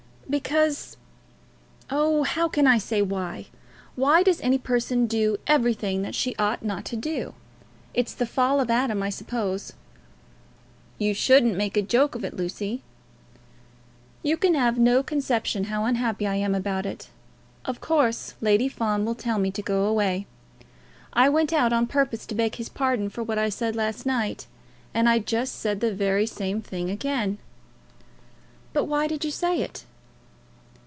"Because Oh, how can I say why? Why does any person do everything that she ought not to do? It's the fall of Adam, I suppose." "You shouldn't make a joke of it, Lucy." "You can have no conception how unhappy I am about it. Of course Lady Fawn will tell me to go away. I went out on purpose to beg his pardon for what I said last night, and I just said the very same thing again." "But why did you say it?"